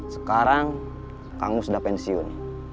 sekarang kang mus sudah pensiun